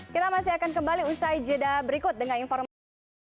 kita masih akan kembali usai jeda berikut dengan informasi